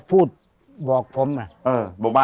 พอเรียบกว่าพี่เอ้า